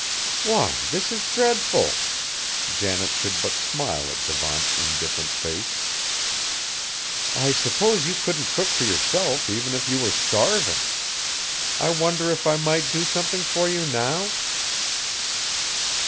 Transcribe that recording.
"Why, this is dreadful!" Janet could but smile at Devant's indifferent face. "I suppose you couldn't cook for yourself even if you were starving. I wonder if I might do something for you now?"